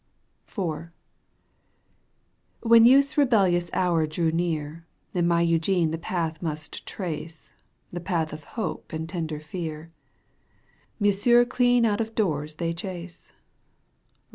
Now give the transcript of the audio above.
IV. When youth's rebellious hour drew near And my Eugene the path must trace — The path of hope and tender fear — Monsieur clean out of doors they chase.